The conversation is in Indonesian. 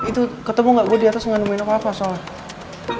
itu ketemu nggak gue di atas nggak nemuin apa apa soalnya